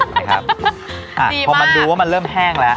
ครับดีมากพอมันดูว่ามันเริ่มแห้งแล้ว